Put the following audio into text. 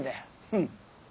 うん。